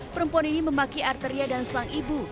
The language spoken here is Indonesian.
perempuan ini memaki arteria dan sang ibu